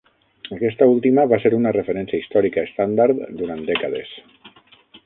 Aquesta última va ser una referència històrica estàndard durant dècades.